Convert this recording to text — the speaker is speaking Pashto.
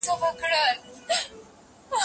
ولي د معلوماتو څېړنه مهمه ده؟